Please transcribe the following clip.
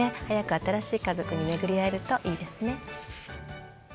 早く新しい家族に巡り合えるといいですね。